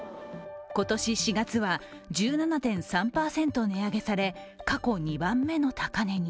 今年４月は１７．３％値上げされ、過去２番目の高値に。